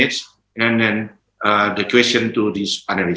dan anda bisa menjalankan pertanyaan kepada panelis